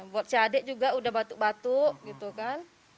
buat si adik juga udah batuk batuk gitu kan